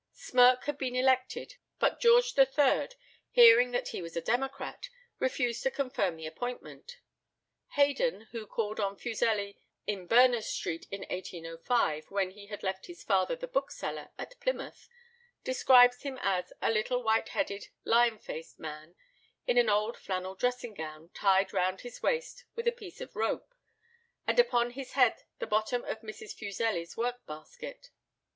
Smirke had been elected, but George III., hearing that he was a democrat, refused to confirm the appointment. Haydon, who called on Fuseli in Berners Street in 1805, when he had left his father the bookseller at Plymouth, describes him as "a little white headed, lion faced man, in an old flannel dressing gown tied round his waist with a piece of rope, and upon his head the bottom of Mrs. Fuseli's work basket."